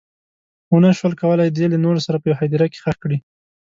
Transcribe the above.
ونه شول کولی دی له نورو سره په یوه هدیره کې ښخ کړي.